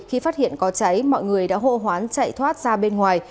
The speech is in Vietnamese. khi phát hiện có cháy mọi người đã hộ hoán chạy thoát ra bên ngoài